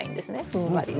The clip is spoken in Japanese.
ふんわりと。